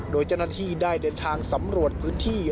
โดยเจ้าหน้าที่ได้เดินทางสำรวจพื้นที่